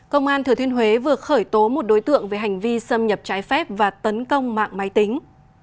công an thừa thiên huế vừa khởi tố một đối tượng về hành vi xâm nhập trái phép và tấn công mạng máy tính